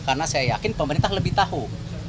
karena saya yakin pemerintah lebih tahu